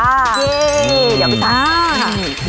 เย่เดี๋ยวไปดูค่ะ